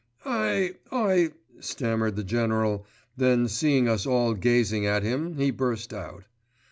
"I—I—" stammered the General, then seeing us all gazing at him he burst out.